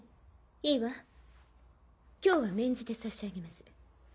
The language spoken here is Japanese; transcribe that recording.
いいわ今日は免じてさしあげます。